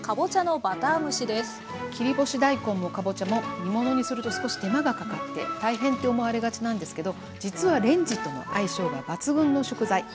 切り干し大根もかぼちゃも煮物にすると少し手間がかかって大変って思われがちなんですけど実はレンジとの相性が抜群の食材。